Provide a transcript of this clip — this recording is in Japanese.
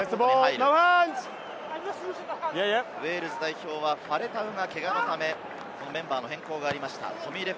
ウェールズ代表はファレタウが怪我のため、メンバー変更がありました。